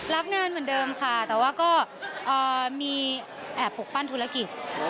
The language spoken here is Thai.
รับงานเหมือนเดิมค่ะแต่ว่าก็มีแอบปกปั้นธุรกิจ